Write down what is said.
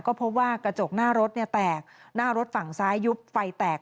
ก็พบว่ากระจกหน้ารถแตกหน้ารถฝั่งซ้ายยุบไฟแตก